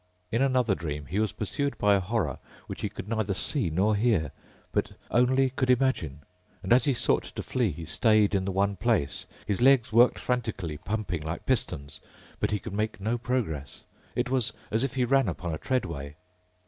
In another dream he was pursued by a horror which he could neither see nor hear, but only could imagine. And as he sought to flee he stayed in the one place. His legs worked frantically, pumping like pistons, but he could make no progress. It was as if he ran upon a treadway.